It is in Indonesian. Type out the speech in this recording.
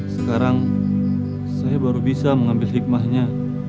sekarang saya baru bisa mengambil hikmahnya